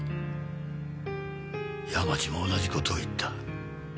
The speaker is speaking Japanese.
山路も同じ事を言った。